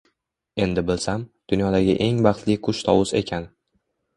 Endi bilsam, dunyodagi eng baxtli qush tovus ekan